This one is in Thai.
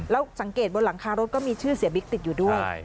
แล้วสังเกตบนหลังคารถก็มีชื่อเสียบิ๊กติดอยู่ด้วย